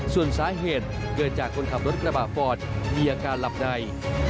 ส่วนสาเหตุเกิดจากคนขับรถกระบะฟอร์ดมีอาการหลับใน